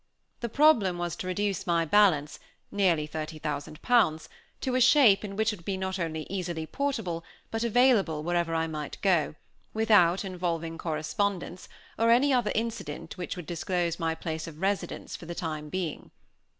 The problem was to reduce my balance, nearly thirty thousand pounds, to a shape in which it would be not only easily portable, but available, wherever I might go, without involving correspondence, or any other incident which would disclose my place of residence for the time being.